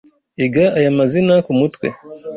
Iga aya mazina kumutwe.